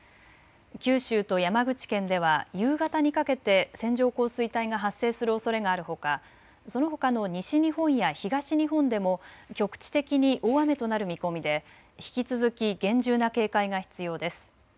九州と山口県では夕方にかけて線状降水帯が発生するおそれがあるほか、そのほかの西日本や東日本でも局地的に大雨となる見込みで引き続き厳重な警戒が必要です。